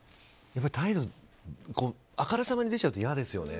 態度があからさまに出ちゃうと嫌ですよね。